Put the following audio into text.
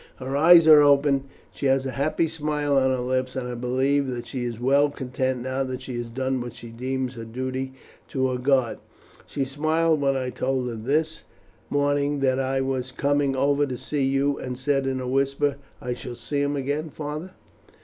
Her eyes are open, she has a happy smile on her lips, and I believe that she is well content now that she has done what she deems her duty to her God. She smiled when I told her this morning that I was coming over to see you, and said in a whisper, 'I shall see him again, father.'"